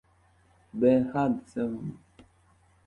behad sevaman